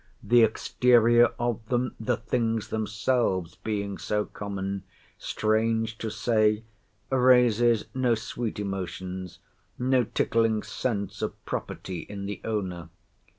The exterior of them (the things themselves being so common), strange to say, raises no sweet emotions, no tickling sense of property in the owner.